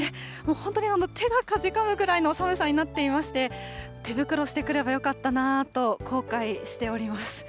本当に手がかじかむぐらいの寒さになっていまして、手袋してくればよかったなと、後悔しております。